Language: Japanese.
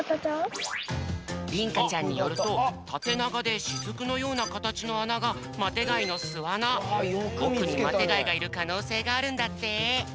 りんかちゃんによるとたてながでしずくのようなかたちのあながおくにマテがいがいるかのうせいがあるんだって。